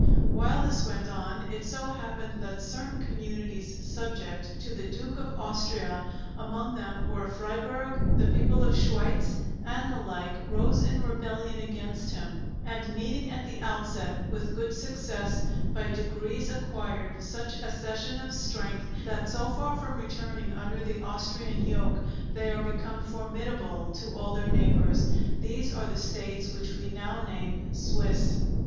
While this went on, it so happened that certain communities subject to the Duke of Austria, among which were Friburg, the people of Schweitz, and the like, rose in rebellion against him, and meeting at the outset with good success, by degrees acquired such accession of strength that so far from returning under the Austrian yoke, they are become formidable to all their neighbours These are the States which we now name Swiss.